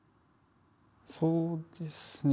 そうですね。